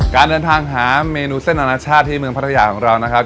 การเดินทางหาเมนูเส้นอนาชาติที่เมืองพัทยาของเรานะครับ